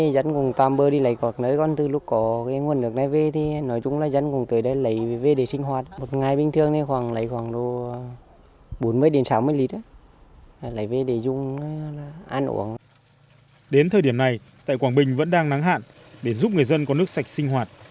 đến thời điểm này tại quảng bình vẫn đang nắng hạn để giúp người dân có nước sạch sinh hoạt